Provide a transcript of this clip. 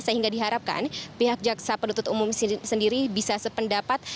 sehingga diharapkan pihak jaksa penuntut umum sendiri bisa sependapat